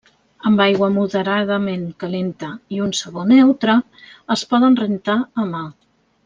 Amb aigua moderadament calenta i un sabó neutre, es poden rentar a mà.